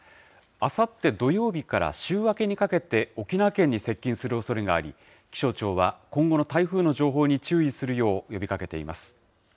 あさって土曜日から週明けにかけて沖縄県に接近するおそれがあり、気象庁は今後の台風の情報に注意するよう呼びかけています。